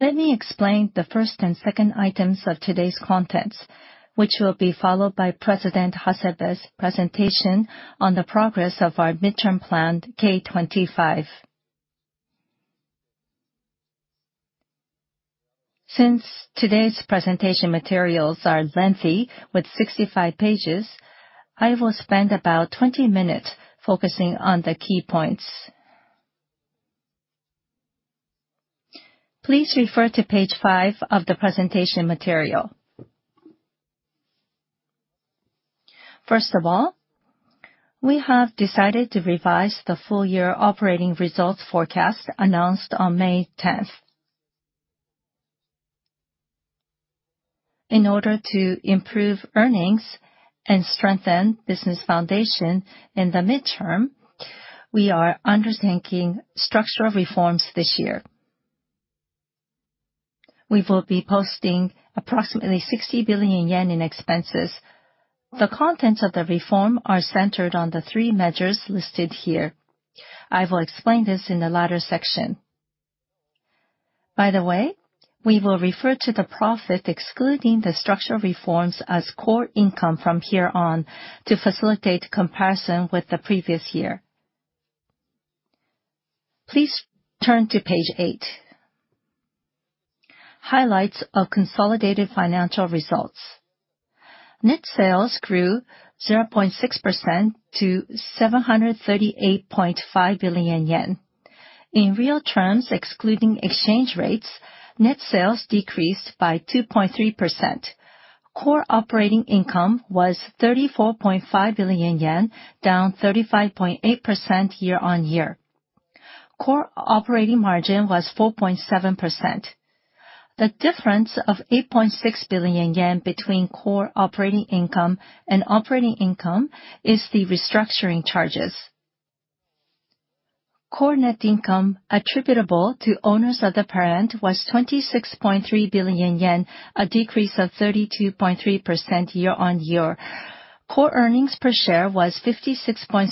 Let me explain the first and second items of today's contents, which will be followed by President Hasebe's presentation on the progress of our midterm plan K25. Since today's presentation materials are lengthy, with 65 pages, I will spend about 20 minutes focusing on the key points. Please refer to page five of the presentation material. First of all, we have decided to revise the full-year operating results forecast announced on May 10th. In order to improve earnings and strengthen business foundation in the midterm, we are undertaking structural reforms this year. We will be posting approximately 60 billion yen in expenses. The contents of the reform are centered on the three measures listed here. I will explain this in the latter section. By the way, we will refer to the profit excluding the structural reforms as core income from here on to facilitate comparison with the previous year. Please turn to page eight. Highlights of consolidated financial results. Net sales grew 0.6% to 738.5 billion yen. In real terms, excluding exchange rates, net sales decreased by 2.3%. Core operating income was 34.5 billion yen, down 35.8% year-on-year. Core operating margin was 4.7%. The difference of 8.6 billion yen between core operating income and operating income is the restructuring charges. Core net income attributable to owners of the parent was 26.3 billion yen, a decrease of 32.3% year-on-year. Core earnings per share was 56.63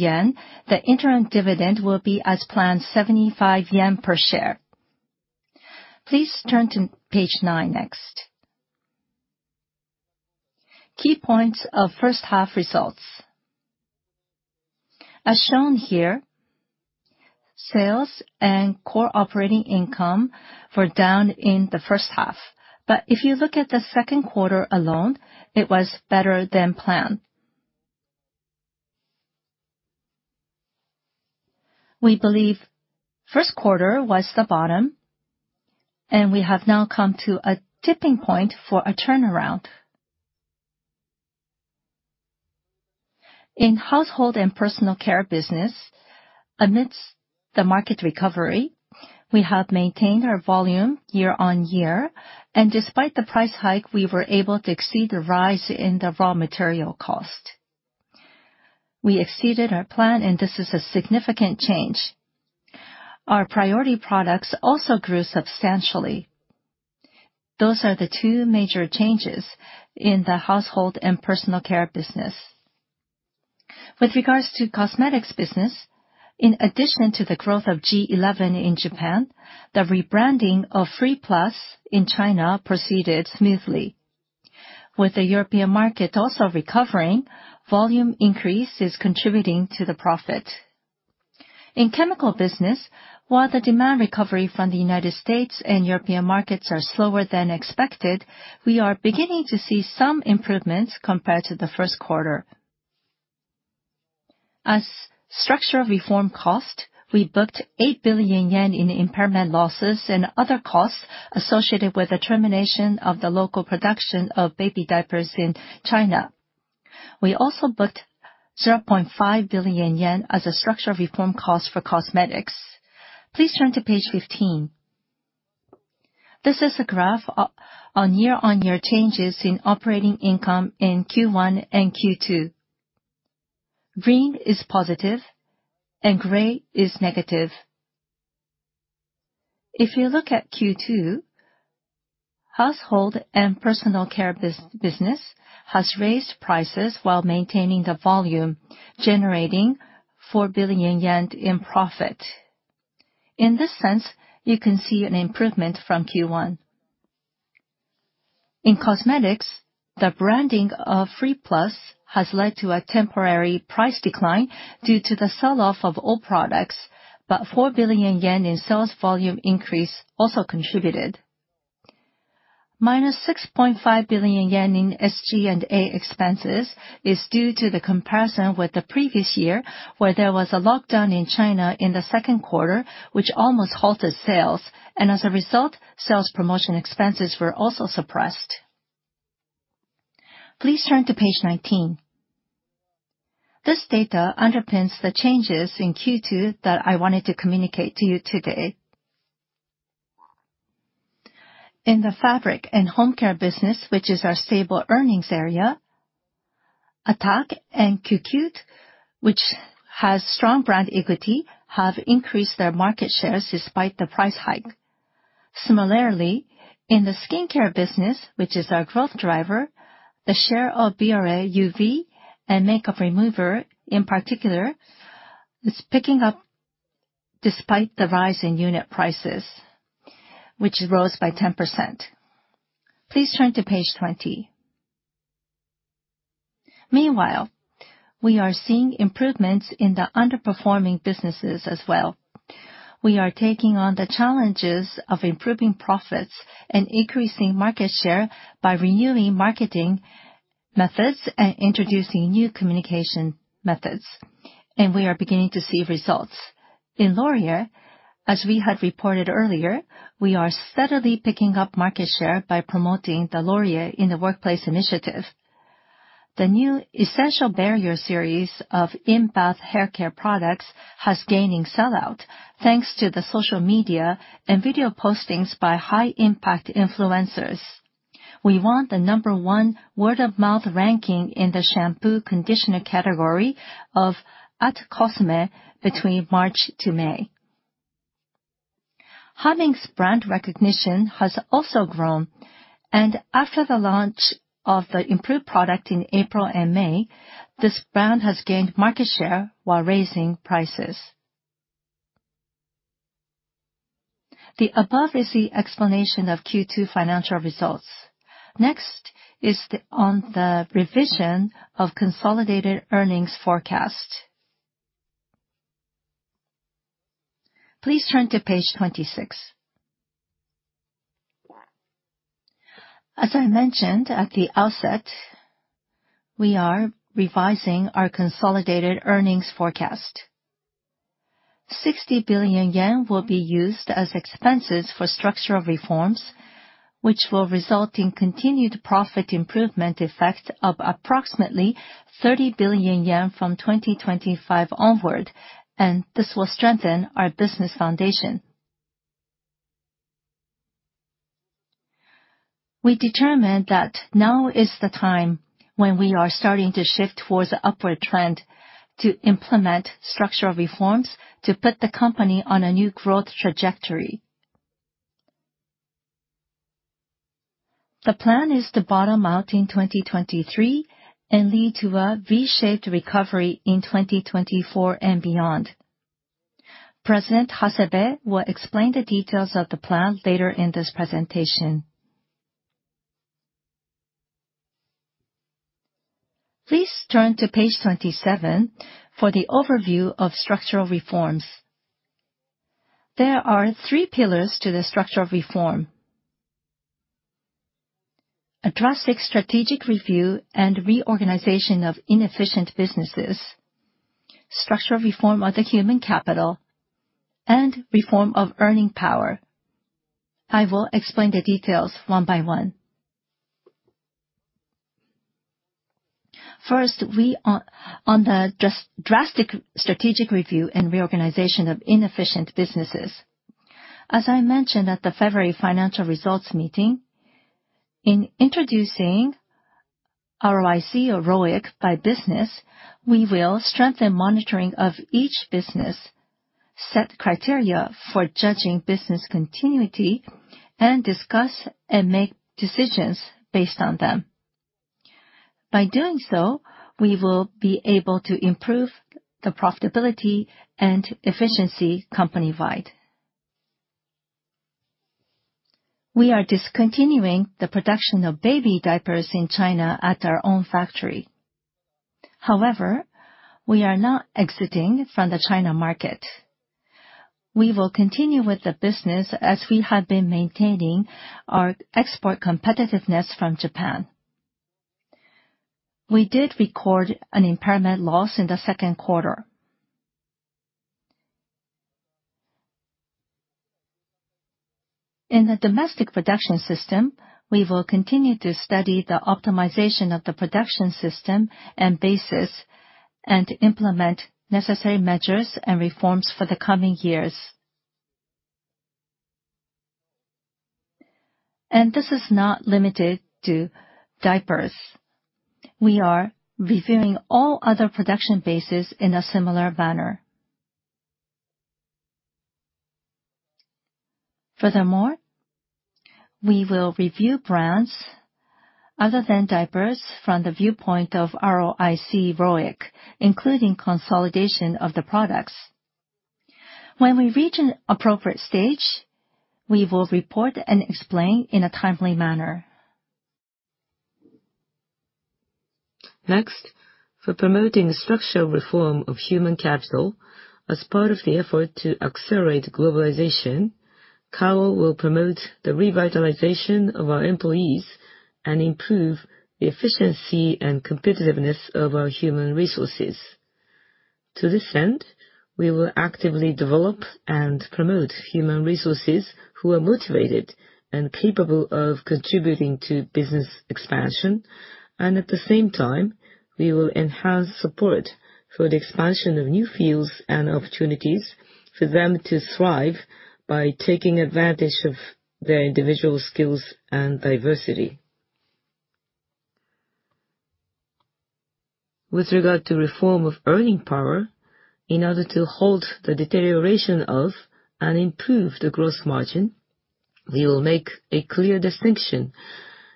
yen. The interim dividend will be as planned, 75 yen per share. Please turn to page nine next. Key points of first half results. As shown here, sales and core operating income were down in the first half. But if you look at the second quarter alone, it was better than planned. We believe first quarter was the bottom, and we have now come to a tipping point for a turnaround. In household and personal care business, amidst the market recovery, we have maintained our volume year-on-year, and despite the price hike, we were able to exceed the rise in the raw material cost. We exceeded our plan, and this is a significant change. Our priority products also grew substantially. Those are the two major changes in the household and personal care business. With regards to cosmetics business, in addition to the growth of G11 in Japan, the rebranding of freeplus in China proceeded smoothly. With the European market also recovering, volume increase is contributing to the profit. In chemical business, while the demand recovery from the U.S. and European markets are slower than expected, we are beginning to see some improvements compared to the first quarter. As structural reform cost, we booked 8 billion yen in impairment losses and other costs associated with the termination of the local production of baby diapers in China. We also booked 0.5 billion yen as a structural reform cost for cosmetics. Please turn to page 15. This is a graph on year-on-year changes in operating income in Q1 and Q2. Green is positive and gray is negative. If you look at Q2, household and personal care business has raised prices while maintaining the volume, generating 4 billion yen in profit. In this sense, you can see an improvement from Q1. In cosmetics, the branding of freeplus has led to a temporary price decline due to the sell-off of all products. But 4 billion yen in sales volume increase also contributed. Minus 6.5 billion yen in SG&A expenses is due to the comparison with the previous year, where there was a lockdown in China in the second quarter, which almost halted sales, and as a result, sales promotion expenses were also suppressed. Please turn to page 19. This data underpins the changes in Q2 that I wanted to communicate to you today. In the fabric and home care business, which is our stable earnings area, Attack and CuCute, which has strong brand equity, have increased their market shares despite the price hike. Similarly, in the skincare business, which is our growth driver, the share of Bioré UV and makeup remover in particular It's picking up despite the rise in unit prices, which rose by 10%. Please turn to page 20. Meanwhile, we are seeing improvements in the underperforming businesses as well. We are taking on the challenges of improving profits and increasing market share by renewing marketing methods and introducing new communication methods. We are beginning to see results. In Laurier, as we had reported earlier, we are steadily picking up market share by promoting the Laurier in the Workplace initiative. The new Essential Barrier series of in-bath haircare products has gaining sell-out, thanks to the social media and video postings by high-impact influencers. We won the number one word-of-mouth ranking in the shampoo, conditioner category of @cosme between March to May. Humming's brand recognition has also grown, and after the launch of the improved product in April and May, this brand has gained market share while raising prices. The above is the explanation of Q2 financial results. Next is on the revision of consolidated earnings forecast. Please turn to page 26. As I mentioned at the outset, we are revising our consolidated earnings forecast. 60 billion yen will be used as expenses for structural reforms, which will result in continued profit improvement effect of approximately 30 billion yen from 2025 onward. This will strengthen our business foundation. We determined that now is the time when we are starting to shift towards the upward trend to implement structural reforms to put the company on a new growth trajectory. The plan is to bottom out in 2023 and lead to a V-shaped recovery in 2024 and beyond. President Hasebe will explain the details of the plan later in this presentation. Please turn to page 27 for the overview of structural reforms. There are three pillars to the structural reform. A drastic strategic review and reorganization of inefficient businesses, structural reform of the human capital, and reform of earning power. I will explain the details one by one. First, on the drastic strategic review and reorganization of inefficient businesses. As I mentioned at the February financial results meeting, in introducing ROIC by business, we will strengthen monitoring of each business, set criteria for judging business continuity, and discuss and make decisions based on them. By doing so, we will be able to improve the profitability and efficiency company-wide. We are discontinuing the production of baby diapers in China at our own factory. However, we are not exiting from the China market. We will continue with the business as we have been maintaining our export competitiveness from Japan. We did record an impairment loss in the second quarter. In the domestic production system, we will continue to study the optimization of the production system and bases, and implement necessary measures and reforms for the coming years. This is not limited to diapers. We are reviewing all other production bases in a similar manner. Furthermore, we will review brands other than diapers from the viewpoint of ROIC, including consolidation of the products. When we reach an appropriate stage, we will report and explain in a timely manner. Next, for promoting the structural reform of human capital, as part of the effort to accelerate globalization, Kao will promote the revitalization of our employees and improve the efficiency and competitiveness of our human resources. To this end, we will actively develop and promote human resources who are motivated and capable of contributing to business expansion, and at the same time, we will enhance support for the expansion of new fields and opportunities for them to thrive by taking advantage of their individual skills and diversity. With regard to reform of earning power, in order to halt the deterioration of and improve the gross margin. We will make a clear distinction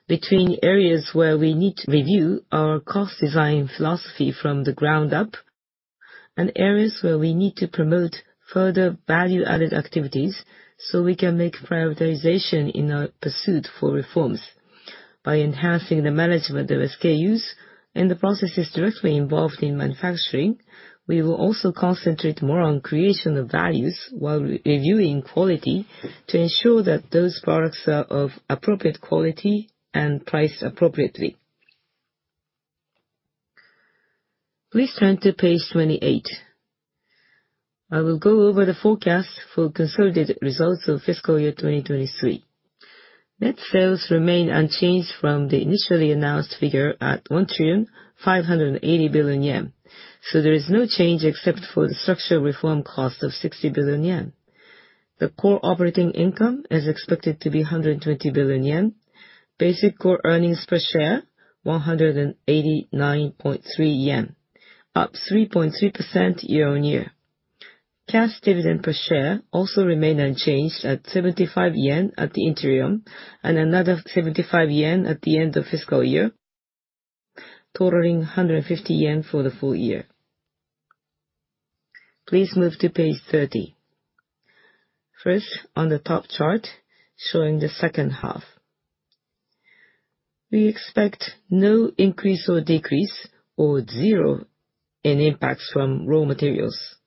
between areas where we need to review our cost design philosophy from the ground up, and areas where we need to promote further value-added activities so we can make prioritization in our pursuit for reforms. By enhancing the management of SKUs and the processes directly involved in manufacturing, we will also concentrate more on creation of values while reviewing quality to ensure that those products are of appropriate quality and priced appropriately. Please turn to page 28. I will go over the forecast for consolidated results of FY 2023. Net sales remain unchanged from the initially announced figure at 1,580 billion yen, so there is no change except for the structural reform cost of 60 billion yen. The core operating income is expected to be 120 billion yen. Basic core earnings per share, 189.3 yen, up 3.3% year-on-year. Cash dividend per share also remained unchanged at 75 yen at the interim, and another 75 yen at the end of fiscal year, totaling 150 yen for the full year. Please move to page 30. First, on the top chart showing the second half. We expect no increase or decrease, or zero in impacts from raw materials.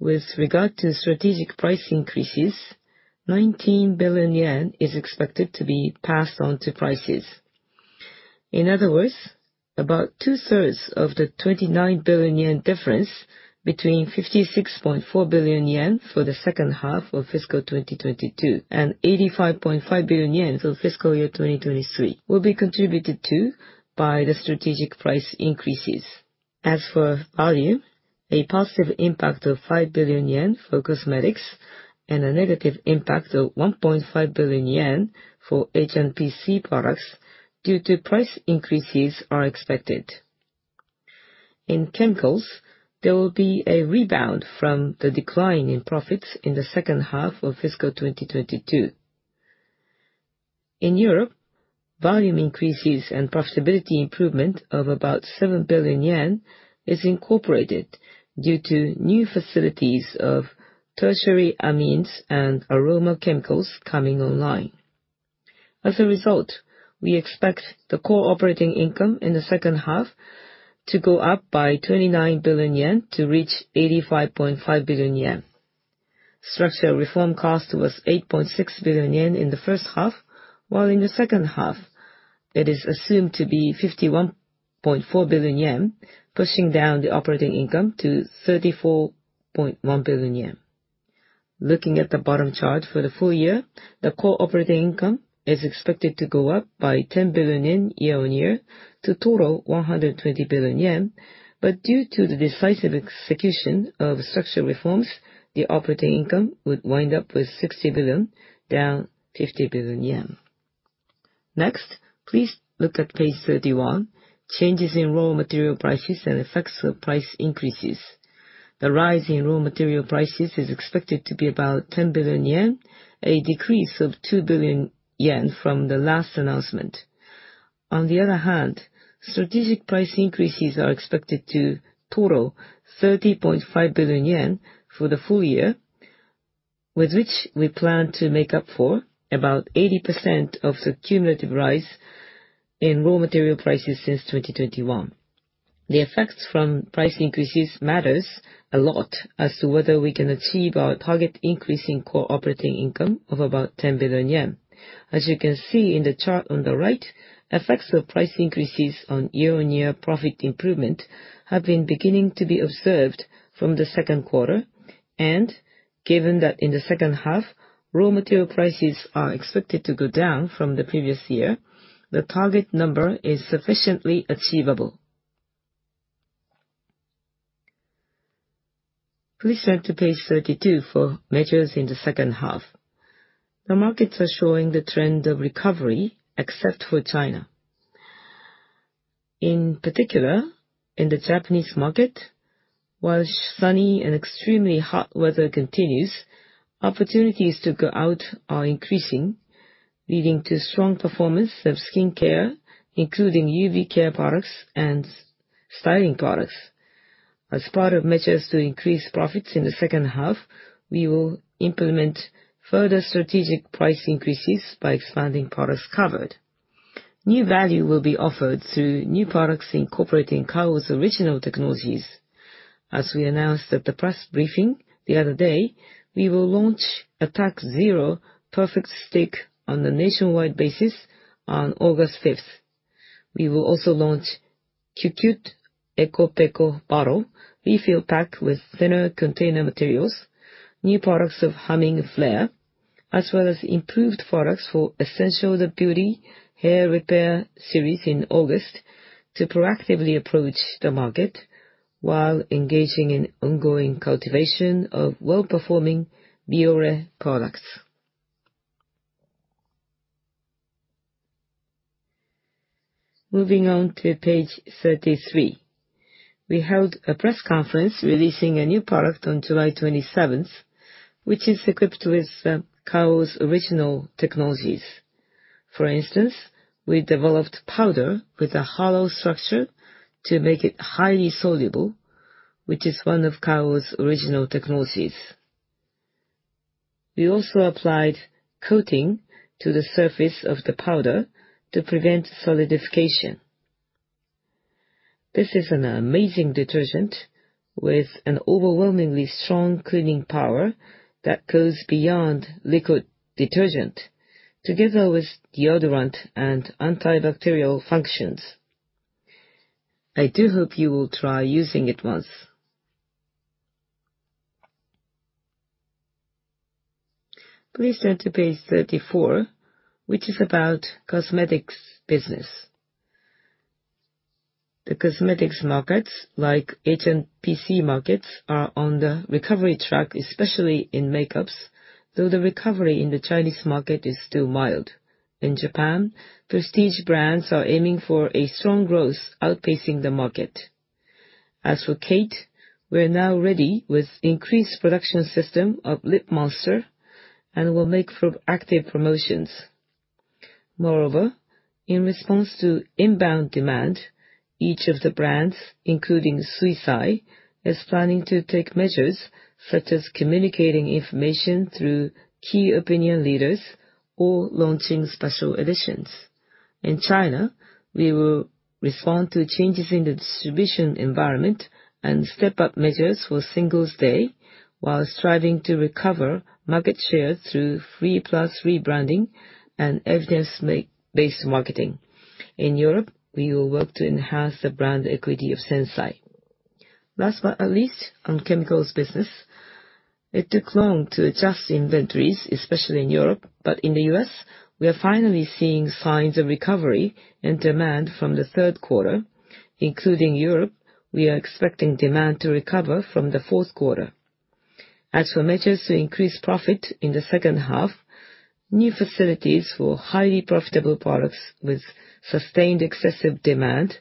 With regard to strategic price increases, 19 billion yen is expected to be passed on to prices. In other words, about two-thirds of the 29 billion yen difference between 56.4 billion yen for the second half of FY 2022 and 85.5 billion yen for FY 2023 will be contributed to by the strategic price increases. As for value, a positive impact of 5 billion yen for cosmetics and a negative impact of 1.5 billion yen for HMPC products due to price increases are expected. In chemicals, there will be a rebound from the decline in profits in the second half of FY 2022. In Europe, volume increases and profitability improvement of about 7 billion yen is incorporated due to new facilities of tertiary amines and aroma chemicals coming online. As a result, we expect the core operating income in the second half to go up by 29 billion yen to reach 85.5 billion yen. Structural reform cost was 8.6 billion yen in the first half, while in the second half it is assumed to be 51.4 billion yen, pushing down the operating income to 34.1 billion yen. Looking at the bottom chart for the full year, the core operating income is expected to go up by 10 billion yen year-on-year to total 120 billion yen. Due to the decisive execution of structural reforms, the operating income would wind up with 60 billion, down 50 billion yen. Next, please look at page 31, changes in raw material prices and effects of price increases. The rise in raw material prices is expected to be about 10 billion yen, a decrease of 2 billion yen from the last announcement. On the other hand, strategic price increases are expected to total 30.5 billion yen for the full year, with which we plan to make up for about 80% of the cumulative rise in raw material prices since 2021. The effects from price increases matters a lot as to whether we can achieve our target increase in core operating income of about 10 billion yen. As you can see in the chart on the right, effects of price increases on year-on-year profit improvement have been beginning to be observed from the second quarter. Given that in the second half, raw material prices are expected to go down from the previous year, the target number is sufficiently achievable. Please turn to page 32 for measures in the second half. The markets are showing the trend of recovery, except for China. In particular, in the Japanese market, while sunny and extremely hot weather continues, opportunities to go out are increasing, leading to strong performance of skincare, including UV care products and styling products. As part of measures to increase profits in the second half, we will implement further strategic price increases by expanding products covered. New value will be offered through new products incorporating Kao's original technologies. As we announced at the press briefing the other day, we will launch Attack ZERO Perfect Stick on a nationwide basis on August 5th. We will also launch CuCute Eco Peco bottle refill pack with thinner container materials, new products of Humming Flair, as well as improved products for Essential The Beauty hair repair series in August to proactively approach the market while engaging in ongoing cultivation of well-performing Bioré products. Moving on to page 33. We held a press conference releasing a new product on July 27th, which is equipped with Kao's original technologies. For instance, we developed powder with a hollow structure to make it highly soluble, which is one of Kao's original technologies. We also applied coating to the surface of the powder to prevent solidification. This is an amazing detergent with an overwhelmingly strong cleaning power that goes beyond liquid detergent, together with deodorant and antibacterial functions. I do hope you will try using it once. Please turn to page 34, which is about cosmetics business. The cosmetics markets, like HMPC markets, are on the recovery track, especially in makeups, though the recovery in the Chinese market is still mild. In Japan, prestige brands are aiming for a strong growth, outpacing the market. As for KATE, we're now ready with increased production system of LIP MONSTER and will make for active promotions. Moreover, in response to inbound demand, each of the brands, including suisai, is planning to take measures such as communicating information through key opinion leaders or launching special editions. In China, we will respond to changes in the distribution environment and step up measures for Singles' Day while striving to recover market share through freeplus rebranding and evidence-based marketing. In Europe, we will work to enhance the brand equity of SENSAI. Last but not least, on chemicals business. It took long to adjust inventories, especially in Europe, but in the U.S., we are finally seeing signs of recovery and demand from the third quarter. Including Europe, we are expecting demand to recover from the fourth quarter. As for measures to increase profit in the second half, new facilities for highly profitable products with sustained excessive demand,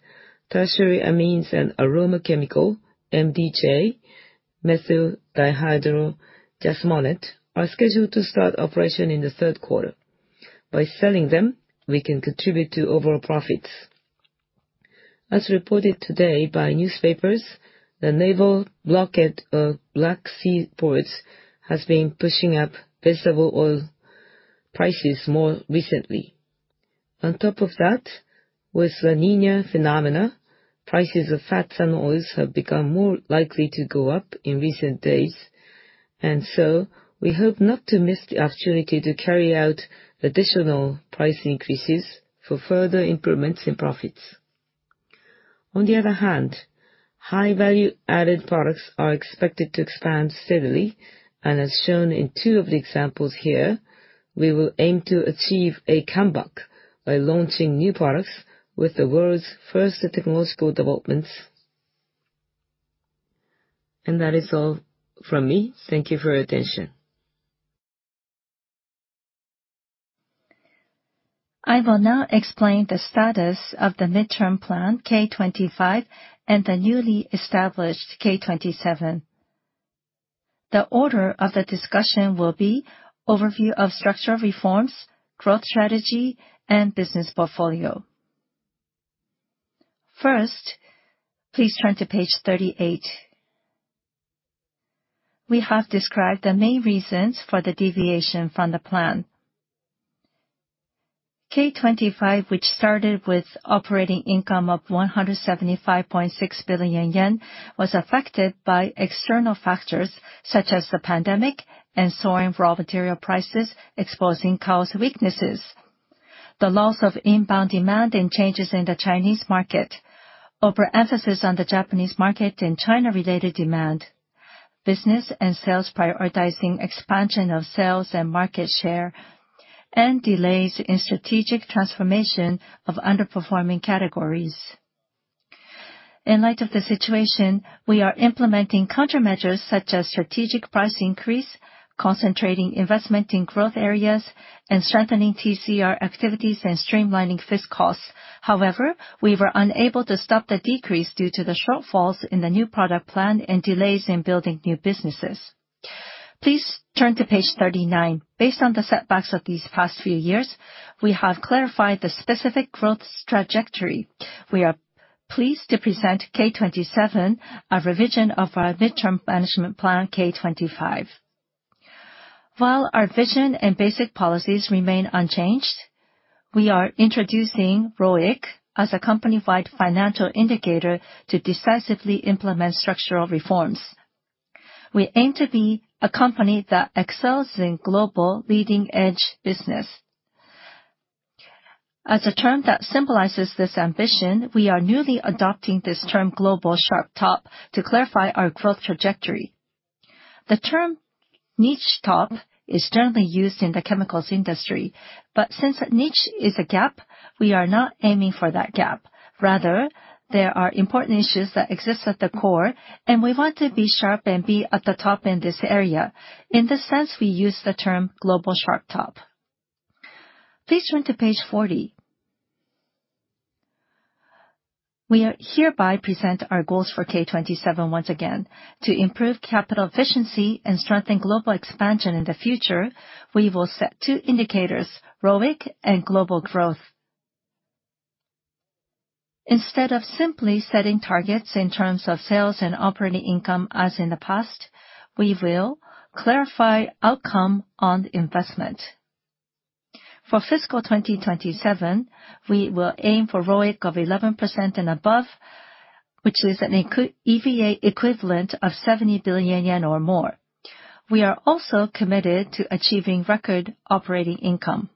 tertiary amines and aroma chemical, MDJ, methyl dihydrojasmonate, are scheduled to start operation in the third quarter. By selling them, we can contribute to overall profits. As reported today by newspapers, the naval blockade of Black Sea ports has been pushing up vegetable oil prices more recently. On top of that, with La Niña phenomena, prices of fats and oils have become more likely to go up in recent days, and so we hope not to miss the opportunity to carry out additional price increases for further improvements in profits. On the other hand, high value-added products are expected to expand steadily, and as shown in two of the examples here, we will aim to achieve a comeback by launching new products with the world's first technological developments. That is all from me. Thank you for your attention. I will now explain the status of the midterm plan K25 and the newly established K27. The order of the discussion will be overview of structural reforms, growth strategy, and business portfolio. First, please turn to page 38. We have described the main reasons for the deviation from the plan. K25, which started with operating income of 175.6 billion yen, was affected by external factors such as the pandemic and soaring raw material prices, exposing Kao's weaknesses. The loss of inbound demand and changes in the Chinese market, overemphasis on the Japanese market and China-related demand, business and sales prioritizing expansion of sales and market share, and delays in strategic transformation of underperforming categories. In light of the situation, we are implementing countermeasures, such as strategic price increase, concentrating investment in growth areas, and strengthening TCR activities and streamlining fixed costs. We were unable to stop the decrease due to the shortfalls in the new product plan and delays in building new businesses. Please turn to page 39. Based on the setbacks of these past few years, we have clarified the specific growth trajectory. We are pleased to present K27, a revision of our midterm management plan, K25. While our vision and basic policies remain unchanged, we are introducing ROIC as a company-wide financial indicator to decisively implement structural reforms. We aim to be a company that excels in global leading edge business. As a term that symbolizes this ambition, we are newly adopting this term Global Sharp Top to clarify our growth trajectory. The term niche top is generally used in the chemicals industry, but since a niche is a gap, we are not aiming for that gap. Rather, there are important issues that exist at the core. We want to be sharp and be at the top in this area. In this sense, we use the term Global Sharp Top. Please turn to page 40. We hereby present our goals for K27 once again. To improve capital efficiency and strengthen global expansion in the future, we will set two indicators, ROIC and global growth. Instead of simply setting targets in terms of sales and operating income as in the past, we will clarify outcome on investment. For fiscal 2027, we will aim for ROIC of 11% and above, which is an EVA equivalent of 70 billion yen or more. We are also committed to achieving record operating income.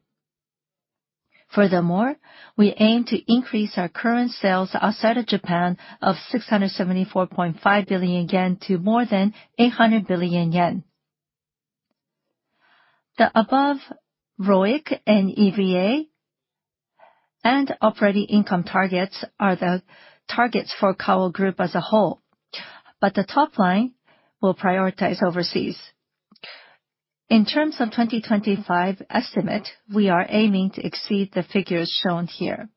Furthermore, we aim to increase our current sales outside of Japan of 674.5 billion yen to more than 800 billion yen. The above ROIC and EVA and operating income targets are the targets for Kao Group as a whole. The top line will prioritize overseas. In terms of 2025 estimate, we are aiming to exceed the figures shown here.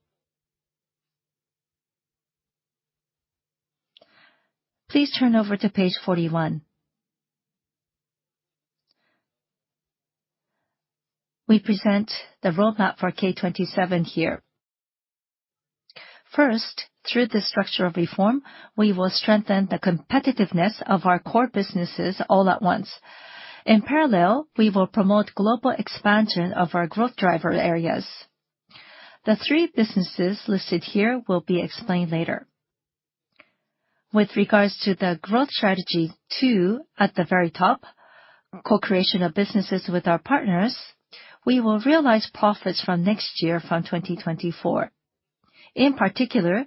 Please turn over to page 41. We present the roadmap for K27 here. First, through the structural reform, we will strengthen the competitiveness of our core businesses all at once. In parallel, we will promote global expansion of our growth driver areas. The three businesses listed here will be explained later. With regards to the growth strategy 2 at the very top, co-creation of businesses with our partners, we will realize profits from next year, from 2024. In particular,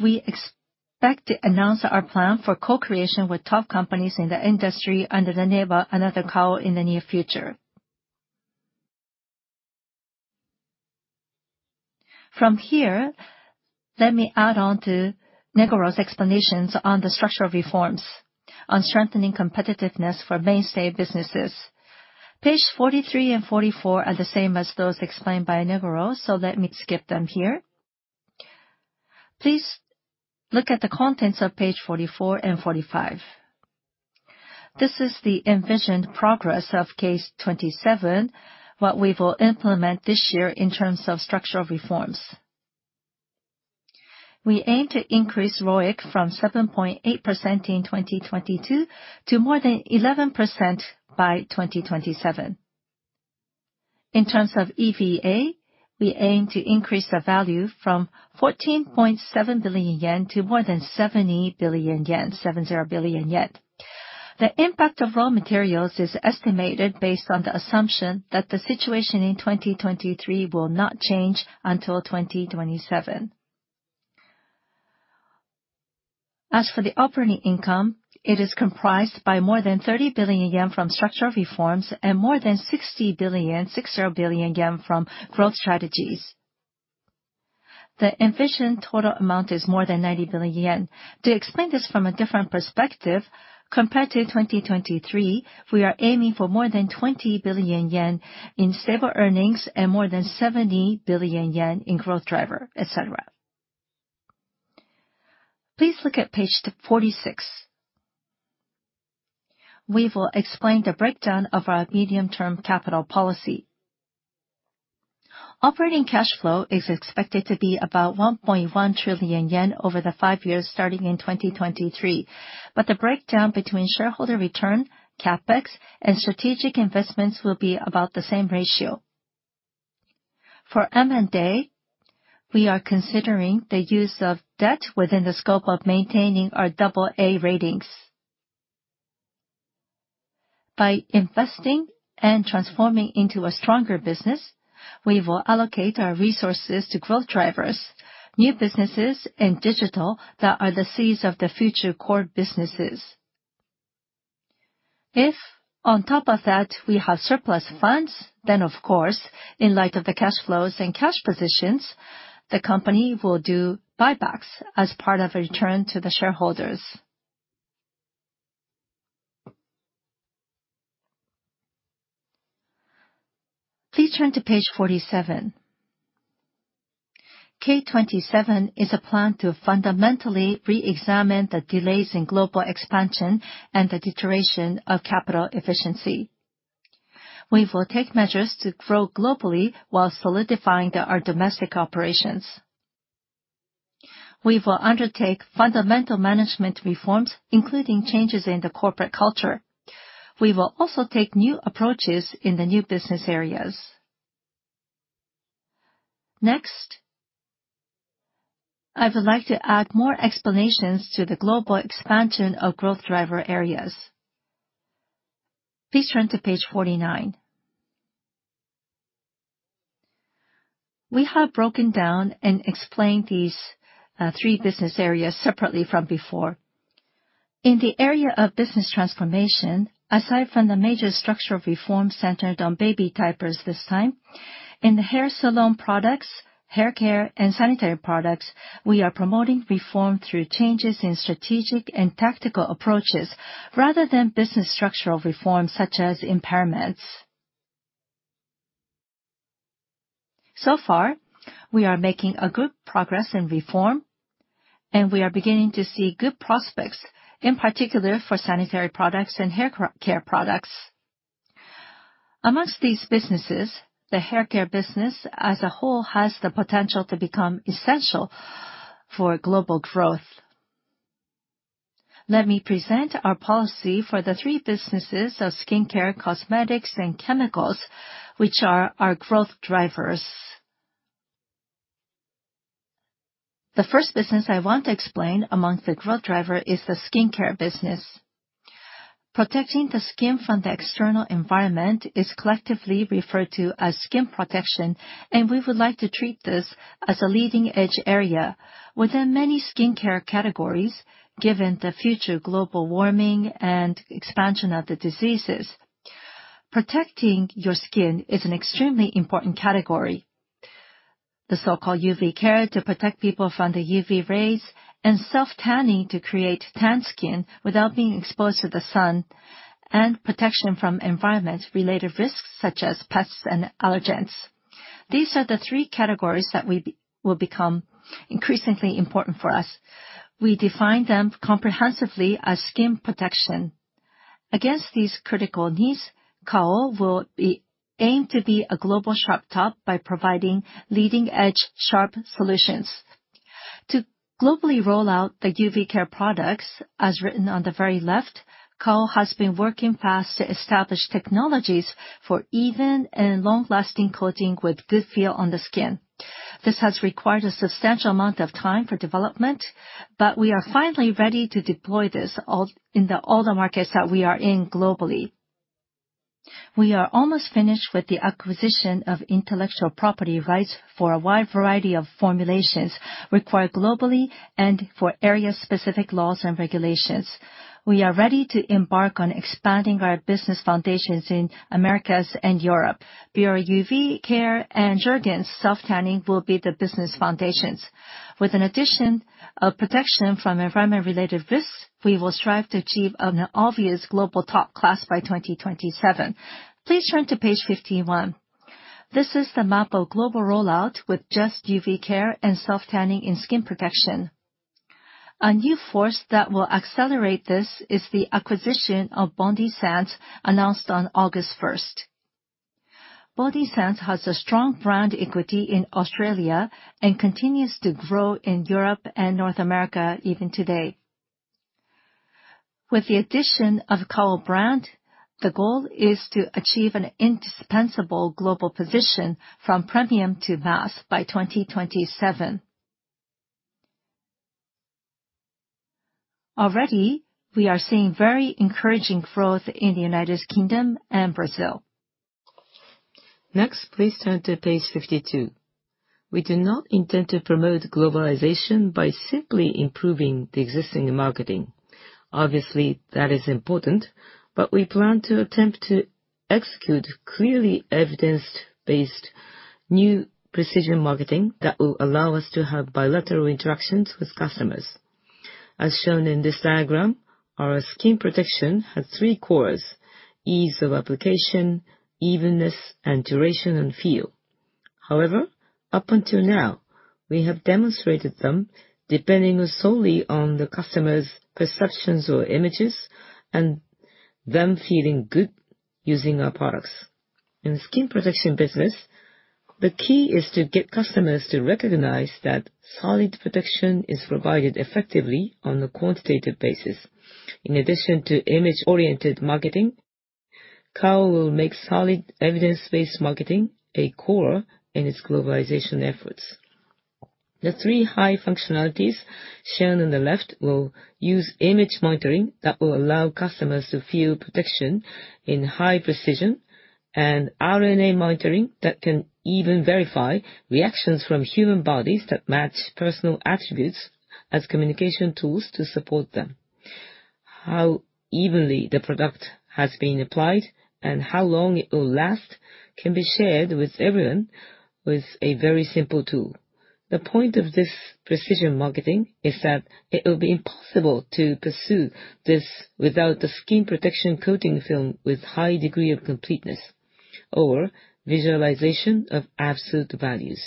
we expect to announce our plan for co-creation with top companies in the industry under the neighbor Another Kao in the near future. From here, let me add on to Negoro's explanations on the structural reforms on strengthening competitiveness for mainstay businesses. Page 43 and 44 are the same as those explained by Negoro, so let me skip them here. Please look at the contents of page 44 and 45. This is the envisioned progress of K27, what we will implement this year in terms of structural reforms. We aim to increase ROIC from 7.8% in 2022 to more than 11% by 2027. In terms of EVA, we aim to increase the value from 14.7 billion yen to more than 70 billion yen, 70 billion yen. The impact of raw materials is estimated based on the assumption that the situation in 2023 will not change until 2027. As for the operating income, it is comprised by more than 30 billion yen from structural reforms and more than 60 billion from growth strategies. The envisioned total amount is more than 90 billion yen. To explain this from a different perspective, compared to 2023, we are aiming for more than 20 billion yen in stable earnings and more than 70 billion yen in growth driver, et cetera. Please look at page 46. We will explain the breakdown of our medium-term capital policy. Operating cash flow is expected to be about 1.1 trillion yen over the five years starting in 2023. The breakdown between shareholder return, CapEx, and strategic investments will be about the same ratio. For M&A, we are considering the use of debt within the scope of maintaining our double A ratings. By investing and transforming into a stronger business, we will allocate our resources to growth drivers, new businesses, and digital that are the seeds of the future core businesses. If on top of that we have surplus funds, then, of course, in light of the cash flows and cash positions, the company will do buybacks as part of a return to the shareholders. Please turn to page 47. K27 is a plan to fundamentally reexamine the delays in global expansion and the deterioration of capital efficiency. We will take measures to grow globally while solidifying our domestic operations. We will undertake fundamental management reforms, including changes in the corporate culture. We will also take new approaches in the new business areas. Next, I would like to add more explanations to the global expansion of growth driver areas. Please turn to page 49. We have broken down and explained these three business areas separately from before. In the area of business transformation, aside from the major structural reform centered on baby diapers this time, in the hair salon products, hair care, and sanitary products, we are promoting reform through changes in strategic and tactical approaches rather than business structural reforms such as impairments. So far, we are making a good progress in reform, and we are beginning to see good prospects, in particular for sanitary products and hair care products. Amongst these businesses, the hair care business as a whole has the potential to become essential for global growth. Let me present our policy for the three businesses of skincare, cosmetics, and chemicals, which are our growth drivers. The first business I want to explain amongst the growth driver is the skincare business. Protecting the skin from the external environment is collectively referred to as skin protection, and we would like to treat this as a leading-edge area within many skincare categories, given the future global warming and expansion of the diseases. Protecting your skin is an extremely important category. The so-called UV care to protect people from the UV rays, self-tanning to create tanned skin without being exposed to the sun, and protection from environment-related risks such as pests and allergens. These are the 3 categories that will become increasingly important for us. We define them comprehensively as skin protection. Against these critical needs, Kao will aim to be a Global Sharp Top by providing leading-edge sharp solutions. To globally roll out the UV care products, as written on the very left, Kao has been working fast to establish technologies for even and long-lasting coating with good feel on the skin. This has required a substantial amount of time for development. We are finally ready to deploy this in all the markets that we are in globally. We are almost finished with the acquisition of intellectual property rights for a wide variety of formulations required globally and for area-specific laws and regulations. We are ready to embark on expanding our business foundations in Americas and Europe. Bioré UV Care and Jergens self-tanning will be the business foundations. With an addition of protection from environment-related risks, we will strive to achieve an obvious global top class by 2027. Please turn to page 51. This is the map of global rollout with just UV Care and self-tanning in skin protection. A new force that will accelerate this is the acquisition of Bondi Sands, announced on August 1st. Bondi Sands has a strong brand equity in Australia. It continues to grow in Europe and North America even today. With the addition of the Kao brand, the goal is to achieve an indispensable global position from premium to mass by 2027. Already, we are seeing very encouraging growth in the United Kingdom and Brazil. Next, please turn to page 52. We do not intend to promote globalization by simply improving the existing marketing. Obviously, that is important. We plan to attempt to execute clearly evidenced-based new precision marketing that will allow us to have bilateral interactions with customers. As shown in this diagram, our skin protection has three cores: ease of application, evenness, and duration and feel. Up until now, we have demonstrated them depending solely on the customer's perceptions or images, and them feeling good using our products. In the skin protection business, the key is to get customers to recognize that solid protection is provided effectively on a quantitative basis. In addition to image-oriented marketing, Kao will make solid evidence-based marketing a core in its globalization efforts. The three high functionalities shown on the left will use image monitoring that will allow customers to feel protection in high precision, and RNA monitoring that can even verify reactions from human bodies that match personal attributes as communication tools to support them. How evenly the product has been applied and how long it will last can be shared with everyone with a very simple tool. The point of this precision marketing is that it would be impossible to pursue this without the skin protection coating film with high degree of completeness or visualization of absolute values.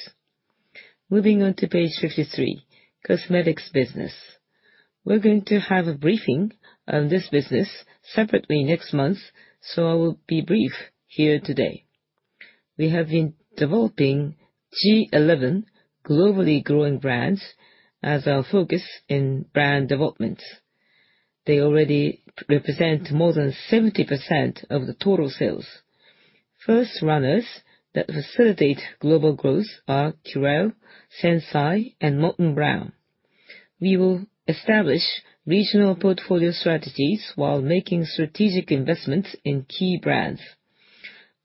Moving on to page 53, cosmetics business. We are going to have a briefing on this business separately next month. I will be brief here today. We have been developing G11 globally growing brands as our focus in brand development. They already represent more than 70% of the total sales. First runners that facilitate global growth are Curél, SENSAI, and Molton Brown. We will establish regional portfolio strategies while making strategic investments in key brands.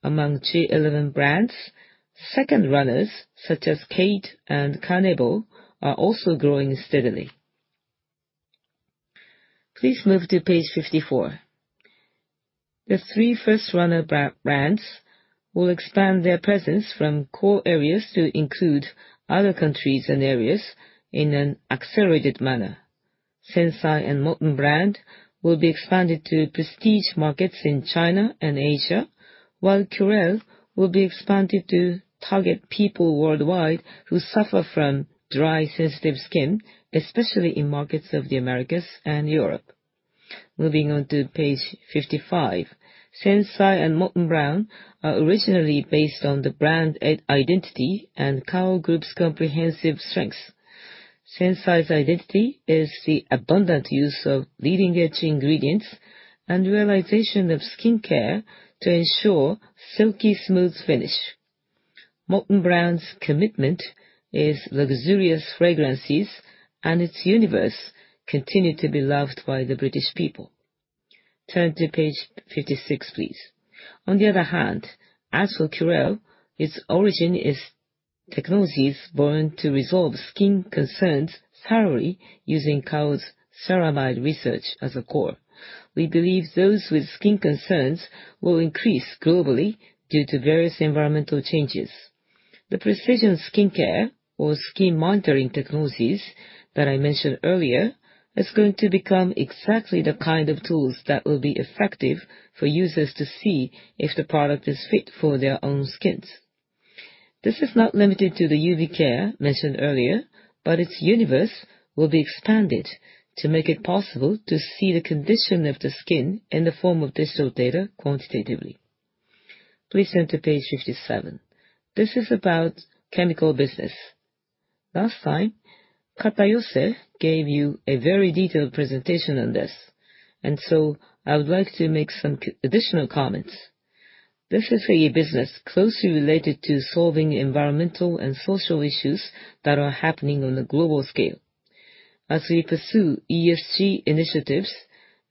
Among G11 brands, second runners, such as KATE and KANEBO, are also growing steadily. Please move to page 54. The three first runner brands will expand their presence from core areas to include other countries and areas in an accelerated manner. SENSAI and Molton Brown will be expanded to prestige markets in China and Asia, while Curél will be expanded to target people worldwide who suffer from dry, sensitive skin, especially in markets of the Americas and Europe. Moving on to page 55. SENSAI and Molton Brown are originally based on the brand identity and Kao Group's comprehensive strengths. SENSAI's identity is the abundant use of leading-edge ingredients, and realization of skin care to ensure silky smooth finish. Molton Brown's commitment is luxurious fragrances, and its universe continue to be loved by the British people. Turn to page 56, please. On the other hand, as for Curél, its origin is technologies born to resolve skin concerns thoroughly using Kao's ceramide research as a core. We believe those with skin concerns will increase globally due to various environmental changes. The precision skincare or skin monitoring technologies that I mentioned earlier is going to become exactly the kind of tools that will be effective for users to see if the product is fit for their own skins. This is not limited to the UV care mentioned earlier, but its universe will be expanded to make it possible to see the condition of the skin in the form of digital data quantitatively. Please turn to page 57. This is about chemical business. Last time, Katayose gave you a very detailed presentation on this. I would like to make some additional comments. This is a business closely related to solving environmental and social issues that are happening on a global scale. As we pursue ESG initiatives,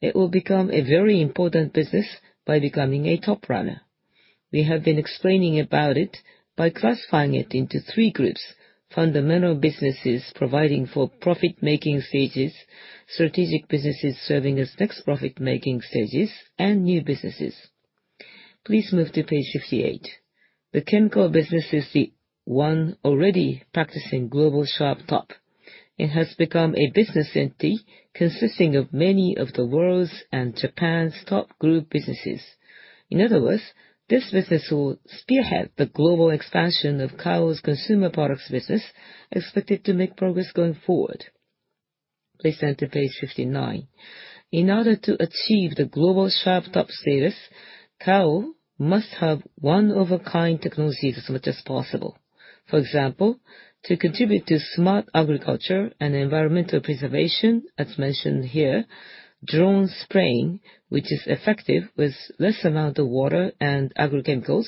it will become a very important business by becoming a top runner. We have been explaining about it by classifying it into 3 groups: fundamental businesses providing for profit-making stages, strategic businesses serving as next profit-making stages, and new businesses. Please move to page 58. The chemical business is the one already practicing Global Sharp Top. It has become a business entity consisting of many of the world's and Japan's top group businesses. In other words, this business will spearhead the global expansion of Kao's consumer products business, expected to make progress going forward. Please turn to page 59. In order to achieve the Global Sharp Top status, Kao must have one-of-a-kind technologies as much as possible. For example, to contribute to smart agriculture and environmental preservation, as mentioned here, drone spraying, which is effective with less amount of water and agrochemicals,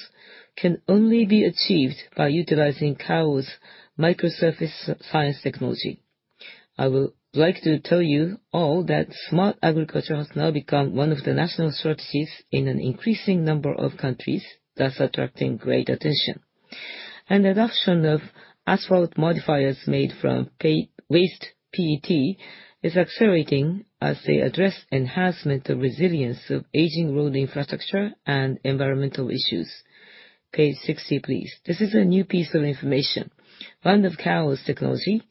can only be achieved by utilizing Kao's micro surface science technology. I would like to tell you all that smart agriculture has now become one of the national strategies in an increasing number of countries, thus attracting great attention. Adoption of asphalt modifiers made from waste PET is accelerating as they address enhancement of resilience of aging road infrastructure and environmental issues. Page 60, please. This is a new piece of information. One of Kao's technology,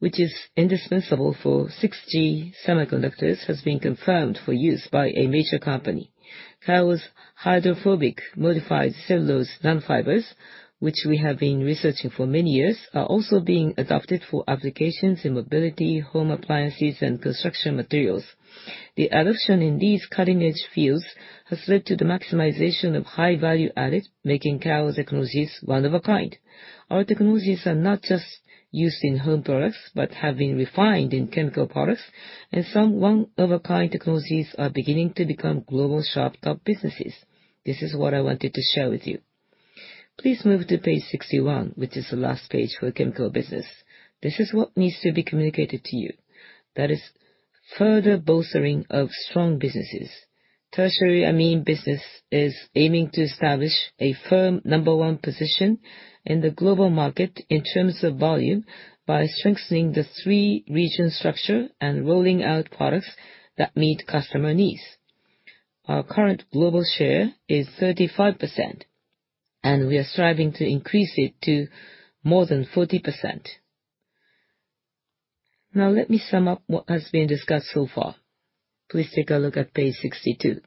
which is indispensable for 6G semiconductors, has been confirmed for use by a major company. Kao's hydrophobic modified cellulose nanofibers, which we have been researching for many years, are also being adopted for applications in mobility, home appliances, and construction materials. The adoption in these cutting-edge fields has led to the maximization of high value added, making Kao's technologies one of a kind. Our technologies are not just used in home products, but have been refined in chemical products, and some one-of-a-kind technologies are beginning to become Global Sharp Top businesses. This is what I wanted to share with you. Please move to page 61, which is the last page for the chemical business. This is what needs to be communicated to you. That is further bolstering of strong businesses. tertiary amine business is aiming to establish a firm number one position in the global market in terms of volume by strengthening the three-region structure and rolling out products that meet customer needs. Our current global share is 35%, and we are striving to increase it to more than 40%. Let me sum up what has been discussed so far. Please take a look at page 62.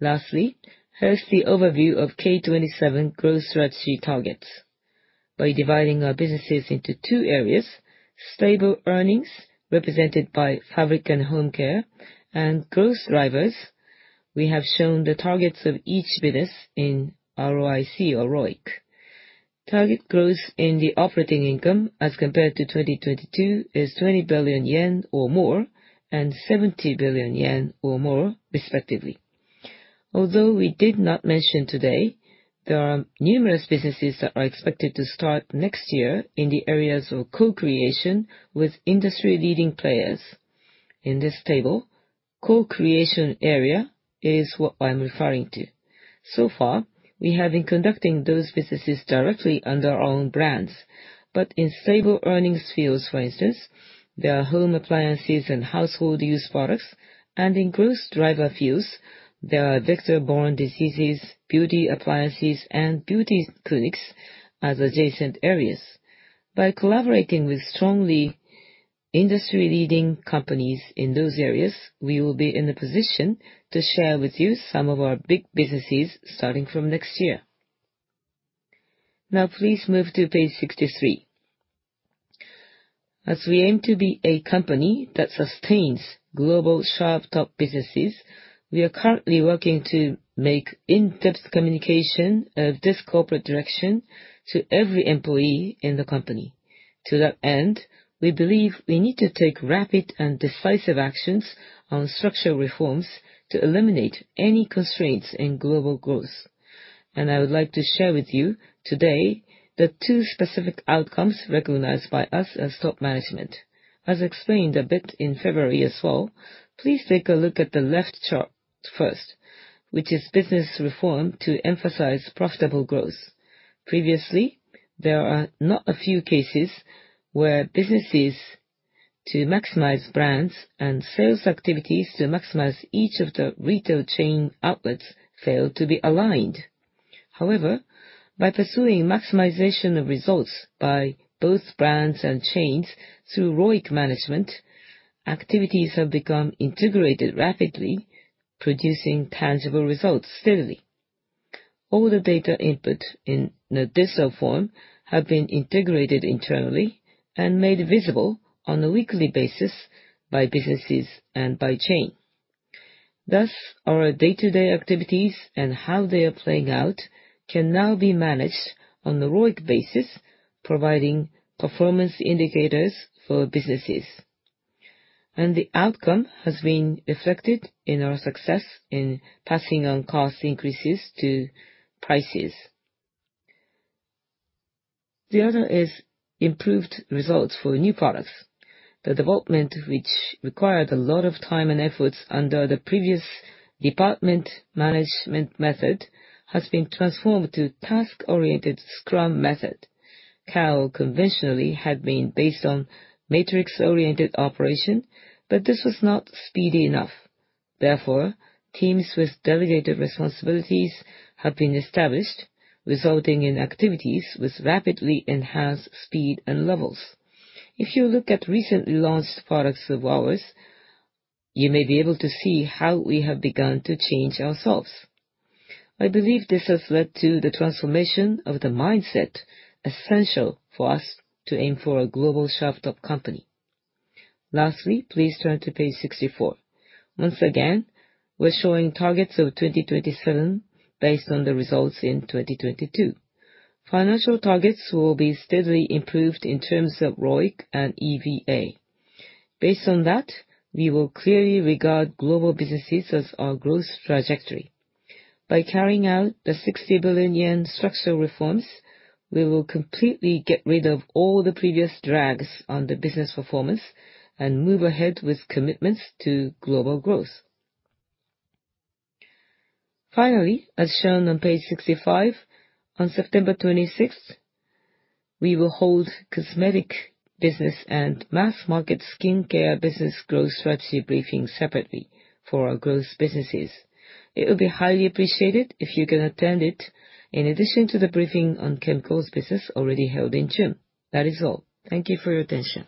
Lastly, here's the overview of K27 growth strategy targets. By dividing our businesses into two areas, stable earnings, represented by fabric and home care, and growth drivers, we have shown the targets of each business in ROIC or ROIC. Target growth in the operating income as compared to 2022 is 20 billion yen or more and 70 billion yen or more, respectively. Although we did not mention today, there are numerous businesses that are expected to start next year in the areas of Co-creation with industry-leading players. In this table Co-creation area is what I'm referring to. So far, we have been conducting those businesses directly under our own brands. In stable earnings fields, for instance, there are home appliances and household use products, and in growth driver fields, there are vector-borne diseases, beauty appliances, and beauty clinics as adjacent areas. By collaborating with strongly industry-leading companies in those areas, we will be in a position to share with you some of our big businesses starting from next year. Please move to page 63. As we aim to be a company that sustains Global Sharp Top businesses, we are currently working to make in-depth communication of this corporate direction to every employee in the company. To that end, we believe we need to take rapid and decisive actions on structural reforms to eliminate any constraints in global growth. I would like to share with you today the two specific outcomes recognized by us as top management. As explained a bit in February as well, please take a look at the left chart first, which is business reform to emphasize profitable growth. Previously, there are not a few cases where businesses to maximize brands and sales activities to maximize each of the retail chain outlets failed to be aligned. However, by pursuing maximization of results by both brands and chains through ROIC management, activities have become integrated rapidly, producing tangible results steadily. All the data input in the digital form have been integrated internally and made visible on a weekly basis by businesses and by chain. Thus, our day-to-day activities and how they are playing out can now be managed on a ROIC basis, providing performance indicators for businesses. The outcome has been reflected in our success in passing on cost increases to prices. The other is improved results for new products. The development, which required a lot of time and efforts under the previous department management method, has been transformed to task-oriented Scrum method. This was not speedy enough. Teams with delegated responsibilities have been established, resulting in activities with rapidly enhanced speed and levels. If you look at recently launched products of ours, you may be able to see how we have begun to change ourselves. I believe this has led to the transformation of the mindset essential for us to aim for a Global Sharp Top company. Please turn to page 64. Once again, we're showing targets of 2027 based on the results in 2022. Financial targets will be steadily improved in terms of ROIC and EVA. Based on that, we will clearly regard global businesses as our growth trajectory. By carrying out the 60 billion yen structural reforms, we will completely get rid of all the previous drags on the business performance and move ahead with commitments to global growth. As shown on page 65, on September 26th, we will hold cosmetic business and mass-market skincare business growth strategy briefings separately for our growth businesses. It would be highly appreciated if you can attend it, in addition to the briefing on chemicals business already held in June. That is all. Thank you for your attention.